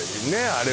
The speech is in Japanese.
あれ